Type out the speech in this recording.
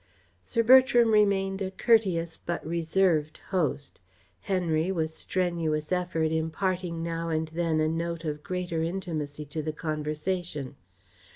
Sir Bertram remained a courteous but reserved host, Henry, with strenuous effort, imparting now and then a note of greater intimacy to the conversation.